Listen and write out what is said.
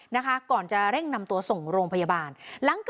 นะคะก่อนจะเร่งนำตัวส่งโรงพยาบาล